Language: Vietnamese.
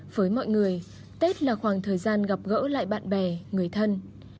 với mọi người tết là khoảng thời gian gặp gỡ lại bạn bè người thân